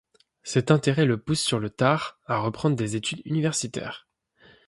Cet intérêt le pousse sur le tard à reprendre des études universitaires.